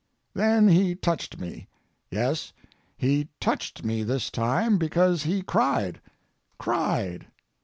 Then he touched me. Yes, he touched me this time, because he cried—cried!